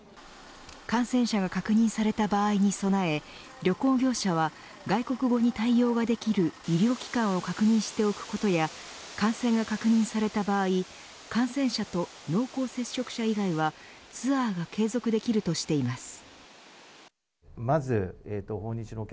感染者が確認された場合に備え旅行業者は外国語に対応ができる医療機関を確認しておくことや感染が確認された場合、感染者と濃厚接触者以外はツアーが継続できるとしています。